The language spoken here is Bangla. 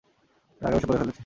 রাগের বশে করে ফেলেছি।